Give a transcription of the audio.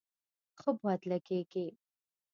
ښه باد لږیږی